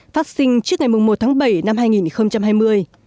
phát sinh trước ngày một tháng bảy năm hai nghìn hai mươi